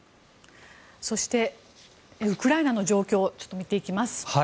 そしてウクライナの状況をちょっと見ていきます。